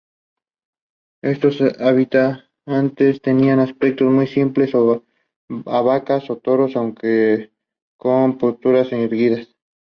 He does not like her going abroad.